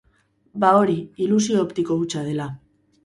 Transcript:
Ba hori, ilusio optiko hutsa dela.